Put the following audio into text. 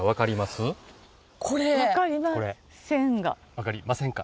分かりませんが。